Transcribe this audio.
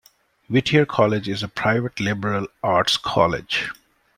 Whittier College is a private liberal arts college.